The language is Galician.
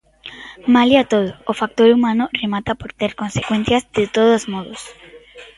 Malia todo, o factor humano remata por ter consecuencias de todos modos.